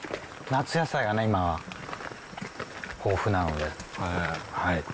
夏野菜が今、豊富なので。